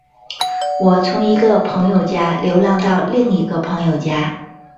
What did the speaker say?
我从一个朋友家流浪到另一个朋友家。